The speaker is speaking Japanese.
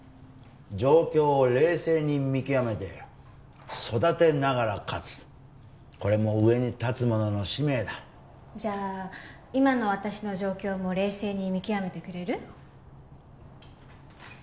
状況を冷静に見極めて育てながら勝つこれも上に立つ者の使命だじゃあ今の私の状況も冷静に見極めてくれる？